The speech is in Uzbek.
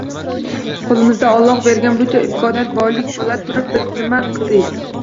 Qo‘limizda Olloh bergan shuncha imkoniyat, boylik bo‘la turib biz nima qildik?